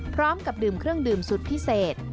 พร้อมกับดื่มเครื่องดื่มสุดพิเศษ